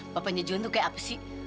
bapaknya juan tuh kayak apa sih